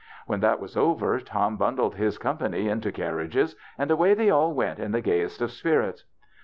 "When that was over Tom bundled his company into carriages, and away they all went in the gay est of spirits.